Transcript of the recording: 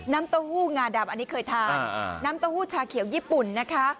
เต้าหู้งาดำอันนี้เคยทานน้ำเต้าหู้ชาเขียวญี่ปุ่นนะคะ